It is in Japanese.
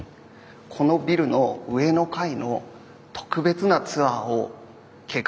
このビルの上の階の特別なツアーを計画してるんですよね。